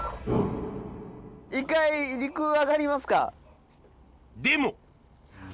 一回陸上がりますか。